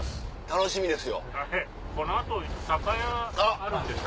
楽しみですよ。